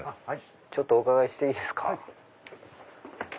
ちょっとお伺いしていいですか？